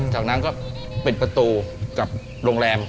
จากนั้นก็ปิดประตูกับโรงแรม